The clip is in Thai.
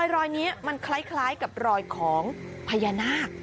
รอยนี้มันคล้ายกับรอยของพญานาค